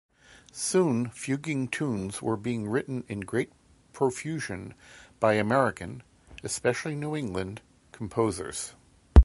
Soon, fuguing tunes were being written in great profusion by American-especially New England-composers.